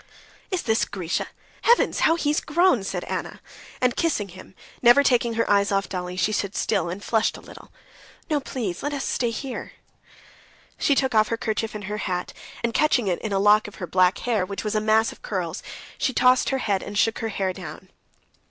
"Is this Grisha? Heavens, how he's grown!" said Anna; and kissing him, never taking her eyes off Dolly, she stood still and flushed a little. "No, please, let us stay here." She took off her kerchief and her hat, and catching it in a lock of her black hair, which was a mass of curls, she tossed her head and shook her hair down.